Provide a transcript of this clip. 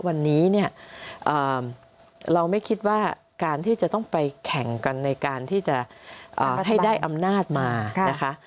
วันนี้เนี่ยเราไม่คิดว่าการที่จะต้องไปแข่งกันในการที่จะให้ได้อำนาจมานะคะ